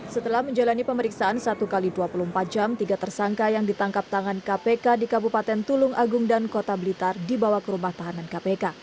setelah menjalani pemeriksaan satu x dua puluh empat jam tiga tersangka yang ditangkap tangan kpk di kabupaten tulung agung dan kota blitar dibawa ke rumah tahanan kpk